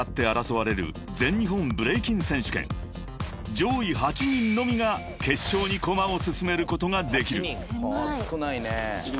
［上位８人のみが決勝に駒を進めることができる］